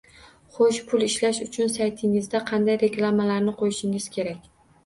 Xo’sh, pul ishlash uchun saytingizga qanday reklamalarni qo’yishingiz kerak